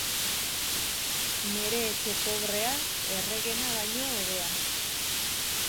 Nere etxe pobrea, erregena baino hobea.